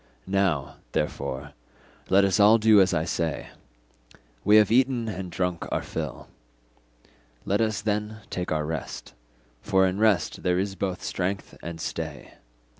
Now, therefore, let us all do as I say; we have eaten and drunk our fill, let us then take our rest, for in rest there is both strength and stay.